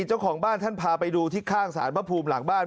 เจ้าของบ้านท่านพาไปดูที่ข้างสารพระภูมิหลังบ้าน